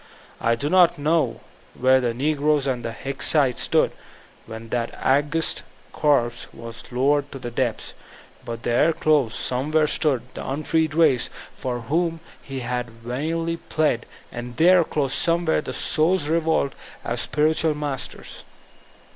I do not know where the negroes and the Hicksite stood when that august corpse was lowered to the depths, but there, close, somewhere, stood the unfreed race, for whom he had vainly plead, and there, close, somewhere, the soul's re volt at spiritual masters.